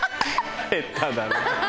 下手だな。